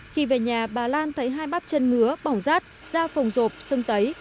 khi về nhà bà lan thấy hai bắp chân ngứa bỏng rát da phồng rộp sưng tấy